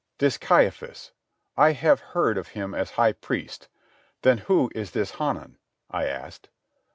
"This Caiaphas, I have heard of him as high priest, then who is this Hanan?" I asked.